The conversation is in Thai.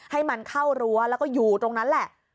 ให้มันเข้ารั้วแล้วก็อยู่ตรงนั้นแหละ